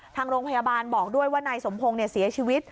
ทางโรงพยาบาลบอกด้วยว่านายสมพงศ์เสียชีวิต